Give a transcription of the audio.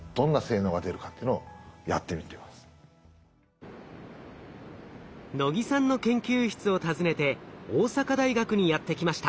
能木さんの研究室を訪ねて大阪大学にやって来ました。